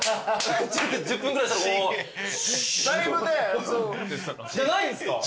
１０分ぐらいしたらシュッじゃないんすか？